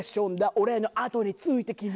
「俺のあとについてきな」